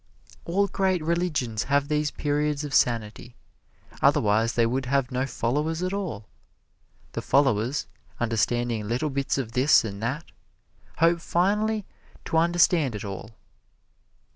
All great religions have these periods of sanity, otherwise they would have no followers at all. The followers, understanding little bits of this and that, hope finally to understand it all.